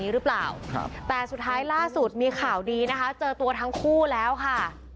หรือเปล่าครับแต่สุดท้ายล่าสุดมีข่าวดีนะคะเจอตัวทั้งคู่แล้วค่ะ